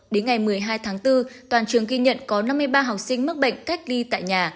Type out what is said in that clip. đến ngày một mươi hai tháng bốn toàn trường ghi nhận có năm mươi ba học sinh mắc bệnh cách ly tại nhà